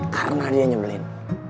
karena dia nyebelin